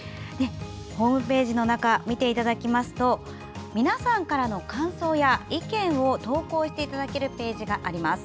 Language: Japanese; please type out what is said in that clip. ホームページの中見ていただきますと皆さんからの感想や意見を投稿していただけるページがあります。